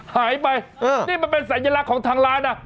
หายไปนี่มันเป็นสัญลักษณ์ของทางร้านนะ